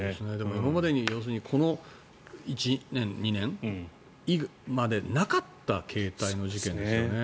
今までにこの１年、２年までなかった形態の事件ですよね。